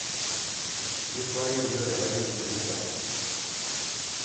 Diskoari ez diote oraindik izenik jarri.